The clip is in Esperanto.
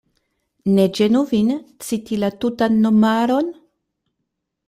Ne ĝenu vin citi la tutan nomaron.